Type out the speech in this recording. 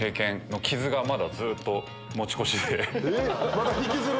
まだ引きずる？